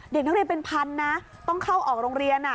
เด็กนักเรียนเป็นพันนะต้องเข้าออกโรงเรียน